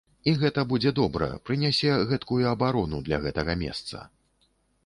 І гэта будзе добра, прынясе гэткую абарону для гэтага месца.